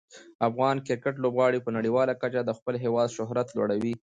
افغان کرکټ لوبغاړي په نړیواله کچه د خپل هیواد شهرت لوړوي.